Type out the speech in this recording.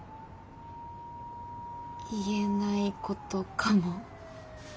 言えないことかも。